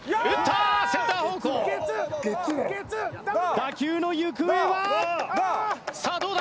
打球の行方はさあどうだ？